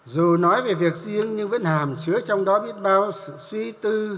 dù nói về việc riêng nhưng vẫn hàm chứa trong đó biết bao sự suy tư